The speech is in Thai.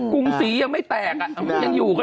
กลุ่มสียังไม่แตก